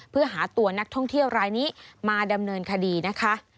เพื่อหาตัวนักท่องเที่ยวรายนี้มาดำเนินคดีนะคะ